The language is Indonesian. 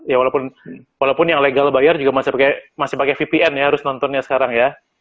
ya walaupun yang legal bayar juga masih pakai vpn ya harus nontonnya sekarang ya